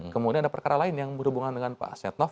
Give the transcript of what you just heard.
kemudian ada perkara lain yang berhubungan dengan pak setnov